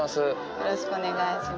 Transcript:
よろしくお願いします。